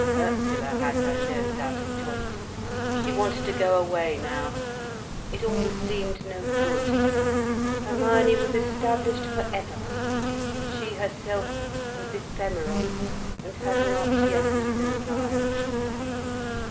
Ursula had her nose out of joint. She wanted to go away now. It all seemed no good. Hermione was established for ever, she herself was ephemeral and had not yet even arrived.